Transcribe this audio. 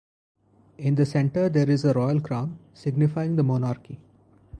In the centre there is a Royal Crown, signifying the monarchy.